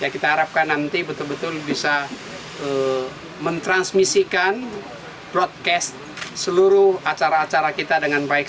kita harapkan nanti betul betul bisa mentransmisikan broadcast seluruh acara acara kita dengan baik